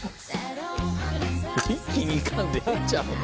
一気にいかんでええんちゃうの？